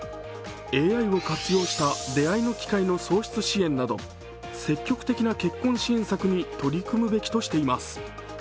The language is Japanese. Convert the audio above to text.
ＡＩを活用した出会いの機会の創出支援など、積極的な結婚支援策に取り組むべきとしています。